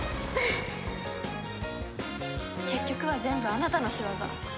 結局は全部あなたの仕業。